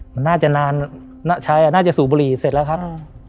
มันน่าจะนานชัยอ่ะน่าจะสูบบุหรี่เสร็จแล้วครับอืม